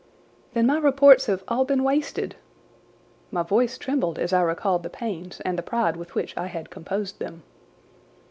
"Then my reports have all been wasted!"—My voice trembled as I recalled the pains and the pride with which I had composed them.